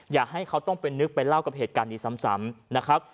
อย่าให้เขาต้องไปล่อเล่ากับเหตุการณ์นี้ซ้ำ